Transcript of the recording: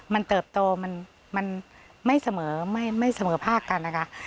มันเติบโตมันไม่เสมอไม่เสมอภาคกันนะคะ